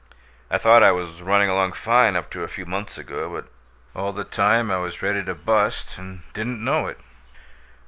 I thought I was running along fine up to a few months ago, but all the time I was ready to bust, and didn't know it.